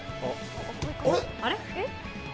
あれ？